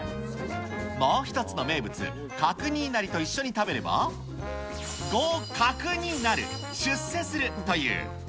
もう１つの名物、角煮いなりと一緒に食べれば、合格になる、出世するという。